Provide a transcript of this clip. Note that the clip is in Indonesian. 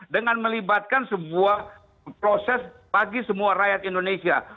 dengan melibatkan sebuah proses bagi semua rakyat indonesia